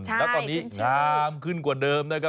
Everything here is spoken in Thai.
ใช่คุณชื่อแล้วตอนนี้งามขึ้นกว่าเดิมนะครับ